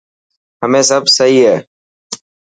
همي سب سهي هي؟